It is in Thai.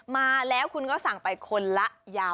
มาแล้วคุณก็สั่งไปคนละยาว